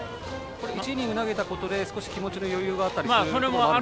１イニング投げたことで少し気持ちに余裕があったりするんですか。